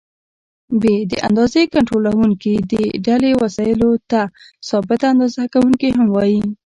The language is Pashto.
ب: د اندازې کنټرولوونکي: دې ډلې وسایلو ته ثابته اندازه کوونکي هم وایي.